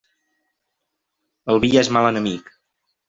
El vi és mal enemic.